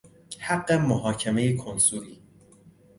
حق محاکمه کنسولی